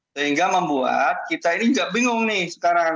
sehingga membuat kita ini juga bingung nih sekarang